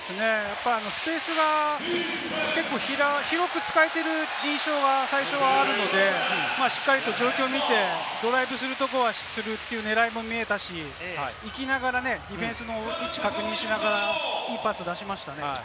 スペースが広く使えている印象があるので、しっかり状況を見て、ドライブするところはするという狙いも見えましたし、ディフェンスの位置を確認しながら、いいパスを出しましたね。